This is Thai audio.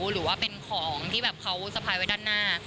หรือว่าเป็นของที่แบบเขาสะพายไว้ด้านหน้า